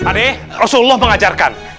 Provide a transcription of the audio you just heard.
ade rasulullah mengajarkan